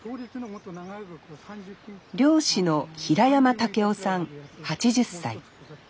漁師の平山孟夫さん８０歳。